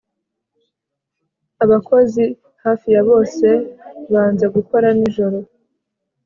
Abakozi hafi ya bose banze gukora nijoro